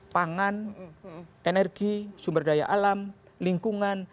pangan energi sumber daya alam lingkungan